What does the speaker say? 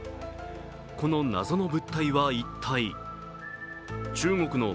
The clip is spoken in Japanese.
この謎の物体は一体？